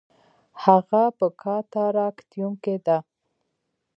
هغه په کاتاراکتیوم کې ده